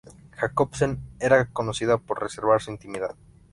Jacobsen era conocida por reservar su intimidad.